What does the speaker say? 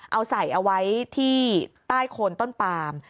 เอาใส่เอาไว้ที่ใต้โคนต้นปาม